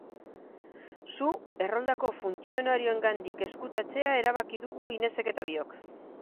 Zu erroldako funtzionarioengandik ezkutatzea erabaki dugu Inesek eta biok.